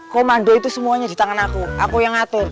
komando itu semuanya di tangan aku aku yang ngatur